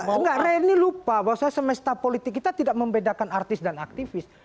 enggak rey ini lupa bahwa semesta politik kita tidak membedakan artis dan aktivis